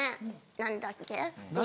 「何だっけ？」